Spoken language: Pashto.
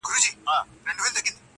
که نقاب پر مخ نیازبینه په مخ راسې,